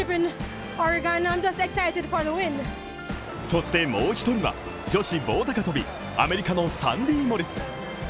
そしてもう１人は女子棒高跳、アメリカのサンディ・モリス。